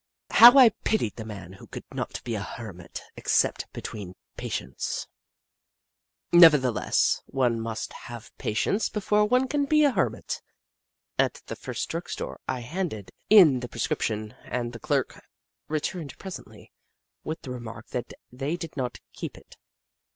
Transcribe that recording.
How I pitied the man who could not be a hermit except between patients ! Nevertheless, one must have patience before one can be a hermit. At the first drug store I handed in the 56 The Book of Clever Beasts prescription, and the clerk returned presently with the remark that they did not keep it.